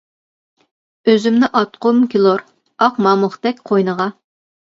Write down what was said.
ئۆزۈمنى ئاتقۇم كېلۇر، ئاق مامۇقتەك قوينىغا.